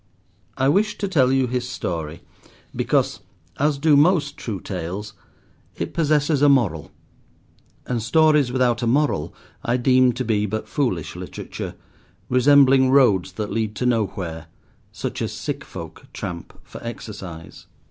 I wish to tell you his story, because, as do most true tales, it possesses a moral, and stories without a moral I deem to be but foolish literature, resembling roads that lead to nowhere, such as sick folk tramp for exercise.